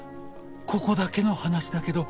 ここだけの話だけど。